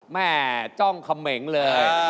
แม่จ้องคำเม้งเลย